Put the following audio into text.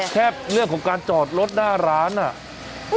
แค่เรื่องของการจอดรถหน้าร้านน่ะ